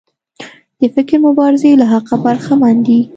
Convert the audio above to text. د فکري مبارزې له حقه برخمن دي.